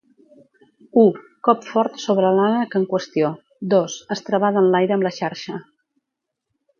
U, cop fort sobre l'ànec en qüestió; dos, estrebada enlaire amb la xarxa.